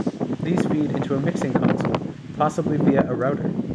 These feed into a mixing console, possibly via a router.